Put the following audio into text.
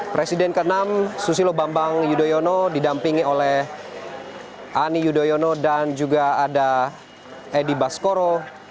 presiden ke enam susilo bambang yudhoyono didampingi oleh ani yudhoyono dan juga ada edi baskoro